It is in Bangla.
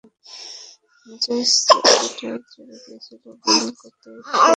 মেজাজ এতটাই চড়ে গিয়েছিল, বোলিং করতে এসে লাম্বার দিকে বিমারও ছুড়ে মারেন।